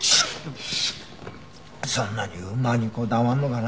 そんなに馬にこだわるのかな。